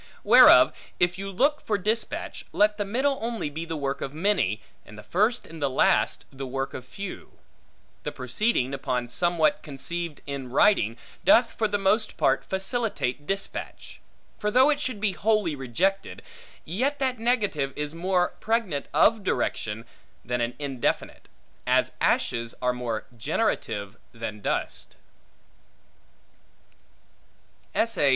Whereof, if you look for dispatch, let the middle only be the work of many, and the first and last the work of few. The proceeding upon somewhat conceived in writing, doth for the most part facilitate dispatch: for though it should be wholly rejected, yet that negative is more pregnant of direction, than an indefinite; as ashes are more generative than dust.